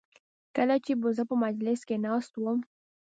کله چې به زه په مجلس کې ناست وم.